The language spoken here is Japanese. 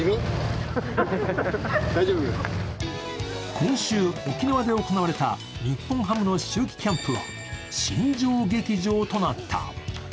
今週、沖縄で行われた日本ハムの春季キャンプは新庄劇場となった。